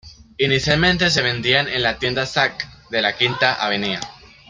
Inicialmente se vendían en la tienda Saks de la Quinta Avenida.